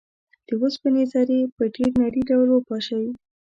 د اوسپنې ذرې په ډیر نري ډول وپاشئ.